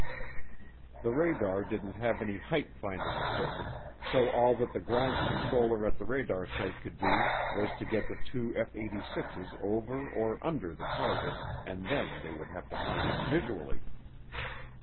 The radar didn't have any height finding equipment so all that the ground controller at the radar site could do was to get the two F 86's over or under the target, and then they would have to find it visually.